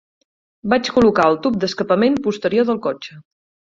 Vaig col·locar el tub d'escapament posterior del cotxe.